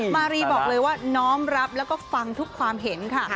มารีบอกเลยว่าน้อมรับแล้วก็ฟังทุกความเห็นค่ะ